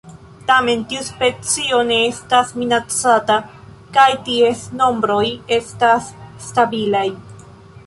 Tamen tiu specio ne estas minacata, kaj ties nombroj estas stabilaj.